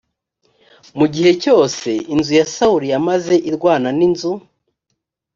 mu gihe cyose inzu ya sawuli yamaze irwana n inzu